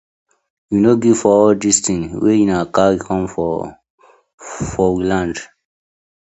We no gree for all dis tinz wey una karry com for we land.